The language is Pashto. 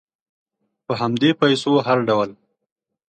په همدې پیسو هر ډول